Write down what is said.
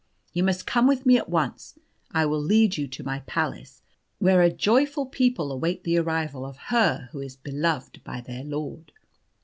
You must come with me at once. I will lead you to my palace, where a joyful people await the arrival of her who is beloved by their lord."